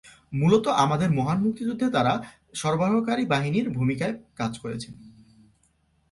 মূলত আমাদের মহান মুক্তিযুদ্ধে তারা সরবরাহকারী বাহিনীর ভূমিকায় কাজ করছেন।